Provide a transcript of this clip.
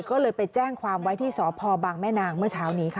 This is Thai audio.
ก็เลยไปแจ้งความไว้ที่สพบางแม่นางเมื่อเช้านี้ค่ะ